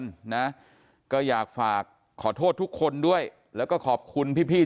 มีค่ะแต่ว่าคลอดแล้วใช่ไหม